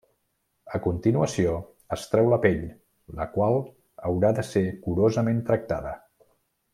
A continuació, es treu la pell, la qual haurà de ser curosament tractada.